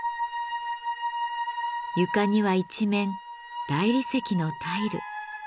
床には一面大理石のタイル。